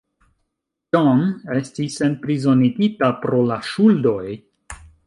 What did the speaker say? John estis enprizonigita pro la ŝuldoj.